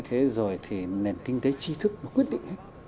thế rồi thì nền kinh tế chi thức quyết định hết